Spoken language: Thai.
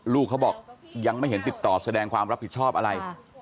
ลูกเขาบอกยังไม่เห็นติดต่อแสดงความรับผิดชอบอะไร